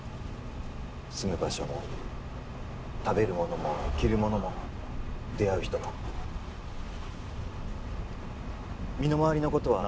住む場所も食べるものも着るものも出会う人も身の回りのことは何でも私に相談してください